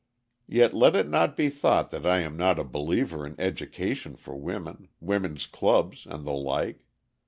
Yet let it not be thought that I am not a believer in education for women, women's clubs, and the like.